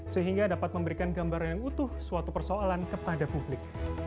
sehingga dapat memberikan gambaran yang utuh suatu persoalan kepada publik